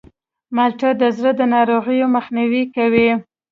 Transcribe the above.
مالټه د زړه د ناروغیو مخنیوی کوي.